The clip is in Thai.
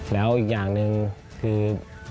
แล้วอีกอย่างหนึ่งคือ